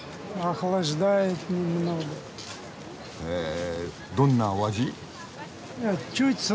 へえどんなお味？